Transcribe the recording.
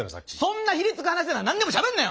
そんなひりつく話なら何にもしゃべんなよ！